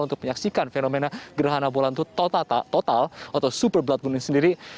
untuk menyaksikan fenomena gerhana bulan itu total atau super blood booming sendiri